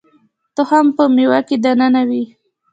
تخم په مېوه کې دننه وي